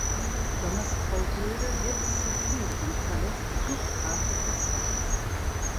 Donners Frau Hilde wird es zuviel und verlässt fluchtartig das Haus.